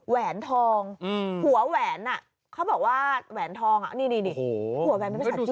แหวนทองหัวแหวนเขาบอกว่าแหวนทองนี่หัวแหวนเป็นภาษาจีน